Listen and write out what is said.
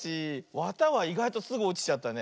わたはいがいとすぐおちちゃったね。